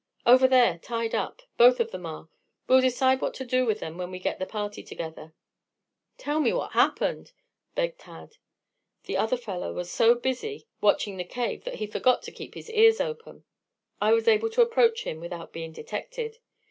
"Over there, tied up. Both of them are. We'll decide what to do with them when we get the party together." "Tell me what happened," begged Tad. The other fellow was so busy watching the cave that he forgot to keep his ears open. I was able to approach him without being detected.